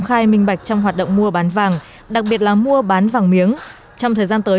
kinh hoạt trong hoạt động mua bán vàng đặc biệt là mua bán vàng miếng trong thời gian tới